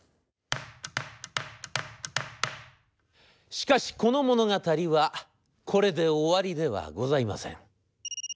「しかしこの物語はこれで終わりではございません」。